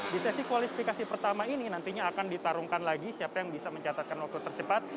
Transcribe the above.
di sesi kualifikasi pertama ini nantinya akan ditarungkan lagi siapa yang bisa mencatatkan waktu tercepat